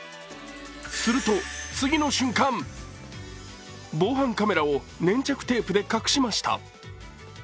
すると、次の瞬間、防犯カメラを粘着テープで隠しました。